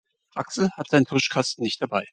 Axel hat seinen Tuschkasten nicht dabei.